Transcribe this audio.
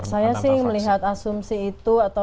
saya sih melihat asumsi itu atau